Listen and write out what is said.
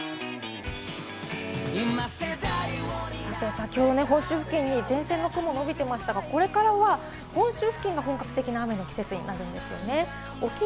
先ほど本州付近に前線の雲が伸びてましたが、これからは本州付近が本格的な雨の季節になるんですね。